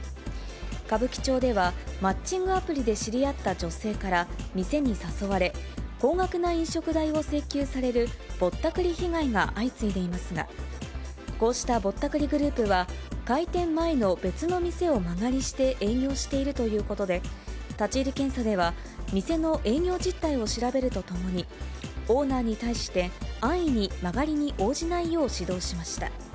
歌舞伎町ではマッチングアプリで知り合った女性から店に誘われ、高額な飲食代を請求される、ぼったくり被害が相次いでいますが、こうしたぼったくりグループは、開店前の別の店を間借りして営業しているということで、立ち入り検査では、店の営業実態を調べるとともに、オーナーに対して、安易に間借りに応じないよう指導しました。